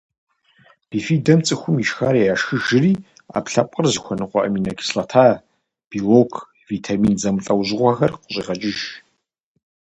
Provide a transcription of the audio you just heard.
Бифидэм цӏыхум ишхар яшхыжри, ӏэпкълъэпкъыр зыхуэныкъуэ аминокислота, белок, витамин зэмылӏэужьыгъуэхэр къыщӏегъэкӏыж.